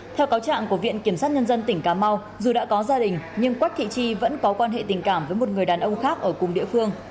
theo cáo trạng của viện kiểm sát nhân dân tỉnh cà mau dù đã có gia đình nhưng quách thị chi vẫn có quan hệ tình cảm với một người đàn ông khác ở cùng địa phương